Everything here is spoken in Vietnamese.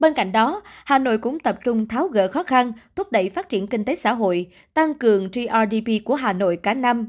hà nội cũng tập trung tháo gỡ khó khăn thúc đẩy phát triển kinh tế xã hội tăng cường grdp của hà nội cả năm